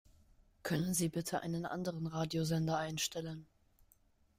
Können Sie bitte einen anderen Radiosender einstellen?